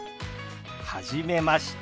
はじめまして。